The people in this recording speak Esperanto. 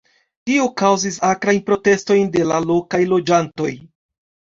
Tio kaŭzis akrajn protestojn de la lokaj loĝantoj.